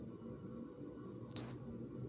আমরা কোন সুযোগই রাখছিনা।